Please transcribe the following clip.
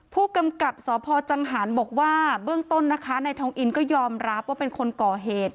ผู้กำกับสพจังหารบอกว่าเบื้องต้นนะคะนายทองอินก็ยอมรับว่าเป็นคนก่อเหตุ